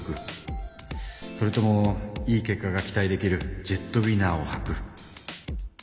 それともいい結果が期待できるジェットウィナーをはく。